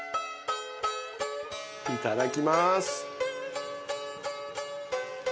いただきます。